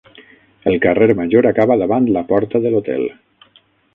El carrer major acaba davant la porta de l'hotel.